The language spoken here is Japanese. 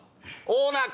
オーナー！